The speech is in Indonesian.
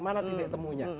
mana detik temunya